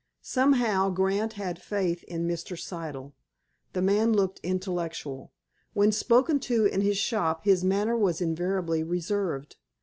Somehow, Grant had faith in Mr. Siddle. The man looked intellectual. When spoken to in his shop his manner was invariably reserved.